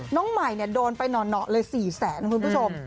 น้องใหม่โดนไปหน่อเลย๔แสนคุณผู้ชม